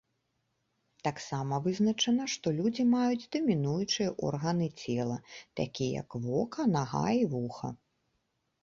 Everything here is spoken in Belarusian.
Таксама вызначана, што людзі маюць дамінуючыя органы цела, такія як вока, нага і вуха.